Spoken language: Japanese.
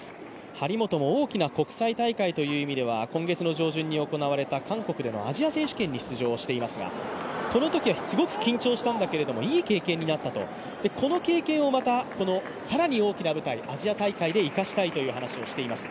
張本も大きな国際大会という意味では、今月の上旬に行われた韓国でのアジア選手権に出場していますが、このときはすごく緊張したんだけれどもいい経験になったと、この経験をまた更に大きな舞台、アジア大会で生かしたいという話をしています。